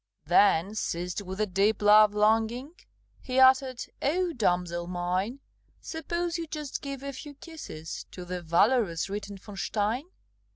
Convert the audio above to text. Then, seized with a deep love longing, He uttered, "O damosel mine, Suppose you just give a few kisses To the valorous Ritter von Stein!"